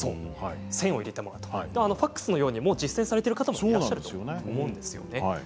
線を入れてもらうとファックスのように実践されている方もいらっしゃるんですよね。